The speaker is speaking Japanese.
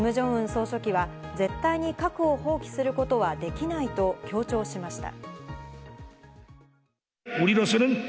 総書記は絶対に核を放棄することはできないと強調しました。